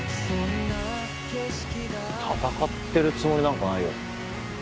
戦ってるつもりなんかないよ